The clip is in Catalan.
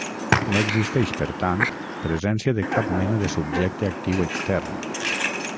No existeix, per tant, presència de cap mena de subjecte actiu extern.